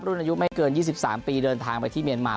รุ่นอายุไม่เกิน๒๓ปีเดินทางไปที่เมียนมา